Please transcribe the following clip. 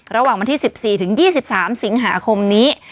ระหว่างวันที่๑๔ถึง๒๓สิงหาคมนี้